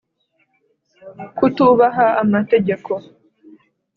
Kutubaha amategeko